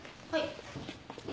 はい。